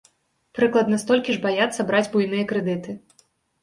Прыкладна столькі ж баяцца браць буйныя крэдыты.